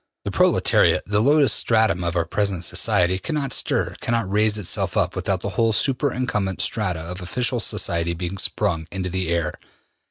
The proletariat, the lowest stratum of our present society, cannot stir, cannot raise itself up, without the whole super incumbent strata of official society being sprung into the air.''